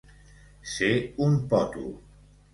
Ser un pòtol.